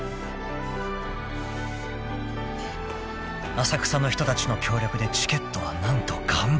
［浅草の人たちの協力でチケットは何と完売］